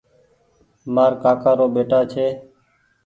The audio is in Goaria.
مآر ڪآڪآ رو ٻيٽآ ڇي۔